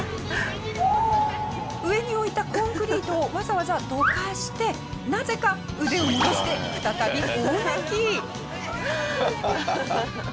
上に置いたコンクリートをわざわざどかしてなぜか腕を戻して再び大泣き。